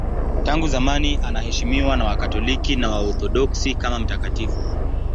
Tangu zamani anaheshimiwa na Wakatoliki na Waorthodoksi kama mtakatifu.